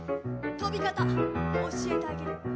飛び方、教えてあげる！